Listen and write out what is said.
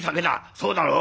「そうだろう？